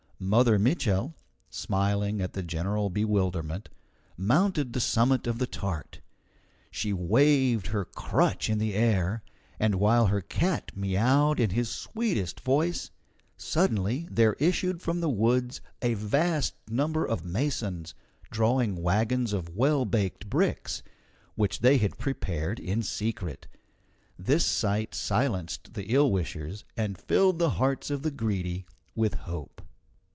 Mother Mitchel, smiling at the general bewilderment, mounted the summit of the tart; she waved her crutch in the air, and while her cat miaowed in his sweetest voice, suddenly there issued from the woods a vast number of masons, drawing wagons of well baked bricks, which they had prepared in secret. This sight silenced the ill wishers and filled the hearts of the Greedy with hope.